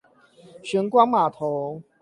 玄光碼頭